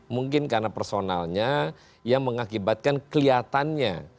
mungkin karena personalnya yang mengakibatkan kelihatannya